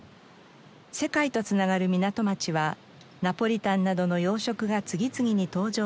世界と繋がる港町はナポリタンなどの洋食が次々に登場した地。